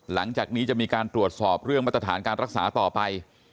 หลังจากนี้จะมีการตรวจสอบเรื่องมาตรฐานการรักษาต่อไป